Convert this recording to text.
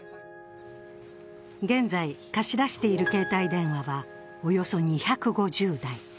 現在貸し出している携帯電話はおよそ２５０台。